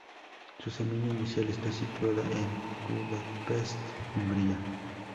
Su semilla inicial está situada en Budapest, Hungría.